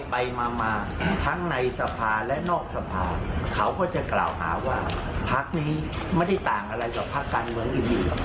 ไปมามาทั้งในสภาและนอกสภาเขาก็จะกล่าวหาว่าพักนี้ไม่ได้ต่างอะไรกับพักการเมืองอื่นหรอก